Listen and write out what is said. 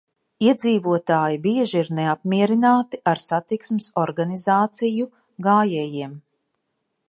Iedzīvotāji bieži ir neapmierināti ar satiksmes organizāciju gājējiem.